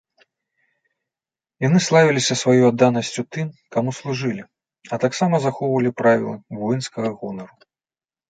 Яны славіліся сваёй адданасцю тым, каму служылі, а таксама захоўвалі правілы воінскай гонару.